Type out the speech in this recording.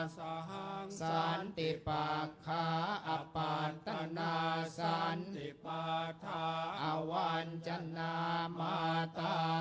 สะหางสันติปักขาอัพพันตนาสันติปัทธาอวัญจนามตา